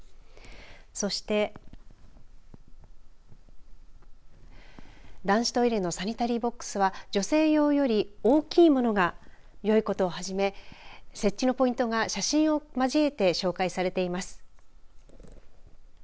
そして男子トイレのサニタリーボックスは女性用より大きいものがよいことをはじめ設置のポイントが写真を交えて紹介されています。